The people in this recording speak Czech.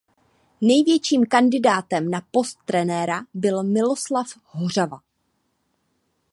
Největším kandidátem na post trenéra byl Miloslav Hořava.